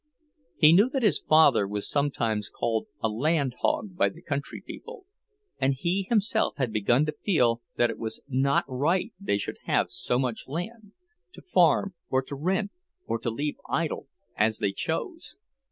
He knew that his father was sometimes called a "land hog" by the country people, and he himself had begun to feel that it was not right they should have so much land, to farm, or to rent, or to leave idle, as they chose.